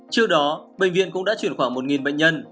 trước đó bệnh viện cũng đã chuyển khoảng một bệnh nhân